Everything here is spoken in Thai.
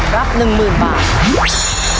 รับ๑๐๐๐บาท